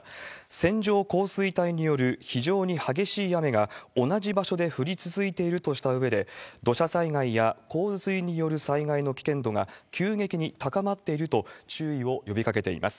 線状降水帯による、非常に激しい雨が同じ場所で降り続いているとしたうえで、土砂災害や洪水による災害の危険度が急激に高まっていると、注意を呼びかけています。